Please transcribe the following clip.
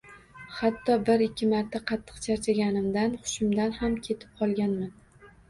Hatto bir-ikki marta qattiq charchaganimdan hushimdan ham ketib qolganman.